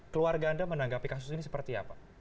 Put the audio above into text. keluarga anda menanggapi kasus ini seperti apa